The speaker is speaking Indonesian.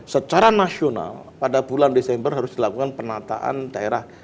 secara nasional pada bulan desember harus dilakukan penataan daerah